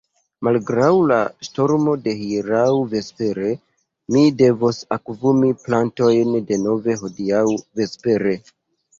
Malgraŭ la ŝtormo de hieraŭ vespere, mi devos akvumi plantojn denove hodiaŭ vespere.